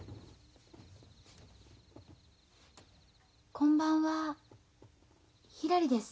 こんばんはひらりです。